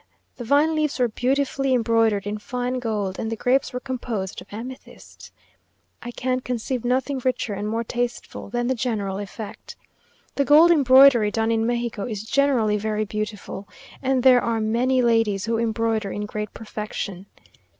The vine leaves were beautifully embroidered in fine gold, and the grapes were composed of amethysts. I can conceive nothing richer and more tasteful than the general effect. The gold embroidery done in Mexico is generally very beautiful, and there are many ladies who embroider in great perfection.